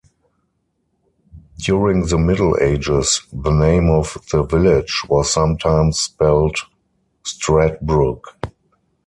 During the Middle Ages, the name of the village was sometimes spelt "Stradbrook".